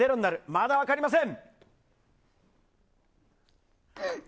まだ分かりません。